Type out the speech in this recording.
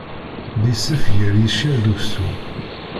D isef gar yiccer d uksum.